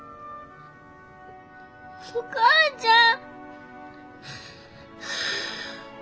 お母ちゃん。